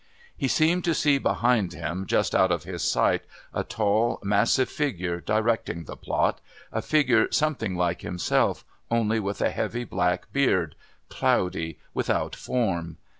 He seemed to see behind him, just out of his sight, a tall massive figure directing the plot, a figure something like himself, only with a heavy black beard, cloudy, without form....